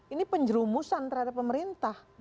ini penjerumusan terhadap pemerintah